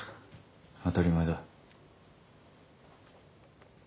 当たり前だ。